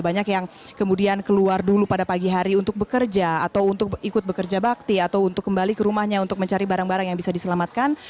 banyak yang kemudian keluar dulu pada pagi hari untuk bekerja atau untuk ikut bekerja bakti atau untuk kembali ke rumahnya untuk mencari barang barang yang bisa diselamatkan